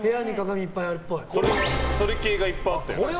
それ系がいっぱいあったよね。